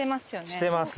してます。